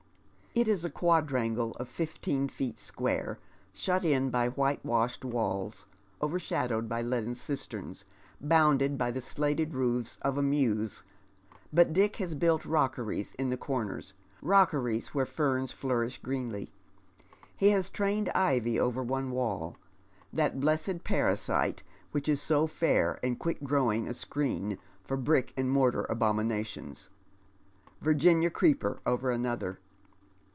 It is a quadrangle of fifteen feet square, shut in by whitewashed walls, overshadowed by leaden cisterns, bounded by the slated roofs of a mews, but Dick has built rockeries in the corners, rockeries where ferns flourish greenly. He has trained ivy over one wall — that blessed parasite which is so fair and quick .^Towing a screen for brick and moilar abominations — Vuginia *;oeper over another.